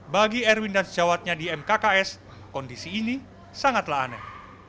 bagi erwin dan sejawatnya di mkks kondisi ini sangatlah aneh